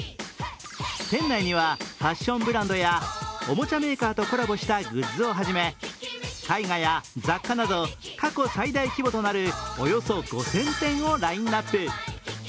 店内にはファッションブランドやおもちゃメーカーとコラボしたグッズをはじめ絵画や雑貨など過去最大規模となるおよそ５０００点をラインナップ。